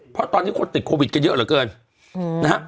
เพราะตอนนี้คนติดโควิดกันเยอะเหลือเกินนะฮะ